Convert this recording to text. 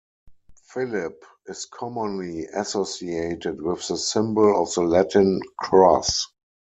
Philip is commonly associated with the symbol of the Latin cross.